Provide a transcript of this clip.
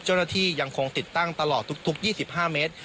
เจ้าหน้าที่ยังคงติดตั้งตลอดทุก๒๕เมตร